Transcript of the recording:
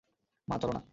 মা, চলো না।